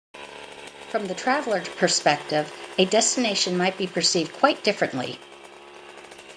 From the traveler perspective, a destination might be perceived quite differently.